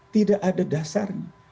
tidak ada dasarnya